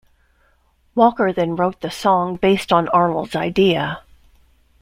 Walker then wrote the song based on Arnold's idea.